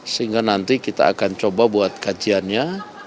sehingga nanti kita akan coba buat kajiannya